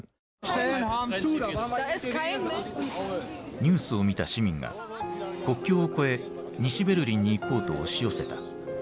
ニュースを見た市民が国境を越え西ベルリンに行こうと押し寄せた。